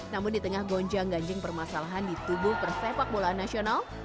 namun di tengah gonjang ganjing permasalahan di tubuh persepak bola nasional